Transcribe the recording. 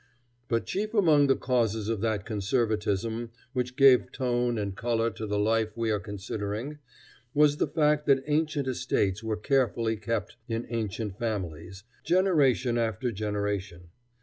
But chief among the causes of that conservatism which gave tone and color to the life we are considering was the fact that ancient estates were carefully kept in ancient families, generation after generation.